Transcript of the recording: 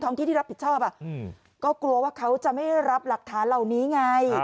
ที่ที่รับผิดชอบก็กลัวว่าเขาจะไม่รับหลักฐานเหล่านี้ไง